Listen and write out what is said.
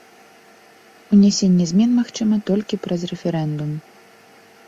Унясенне змен магчыма толькі праз рэферэндум.